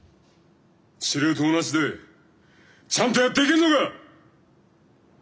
司令塔なしでちゃんとやっていけんのか！